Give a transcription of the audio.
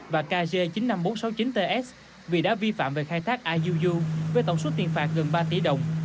và kj chín mươi năm nghìn bốn trăm sáu mươi chín ts vì đã vi phạm về khai thác iuu với tổng suất tiền phạt gần ba tỷ đồng